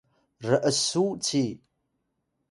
r’su ci